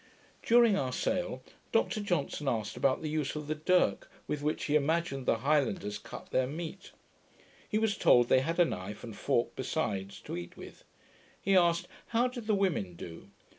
During our sail, Dr Johnson asked about the use of the dirk, with which he imagined the highlanders cut their meat. He was told, they had a knife and fork besides, to eat with. He asked, how did the women do?